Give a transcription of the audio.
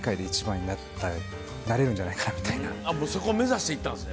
もうそこ目指して行ったんですね